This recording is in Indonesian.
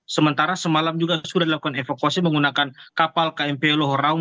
sementara semalam juga sudah dilakukan evakuasi menggunakan kapal kmp loh raung